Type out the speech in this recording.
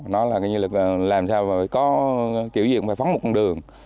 nó là làm sao mà có kiểu gì cũng phải phóng một con đường